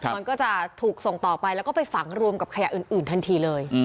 มันก็จะถูกส่งต่อไปแล้วก็ไปฝังรวมกับขยะอื่นทันทีเลย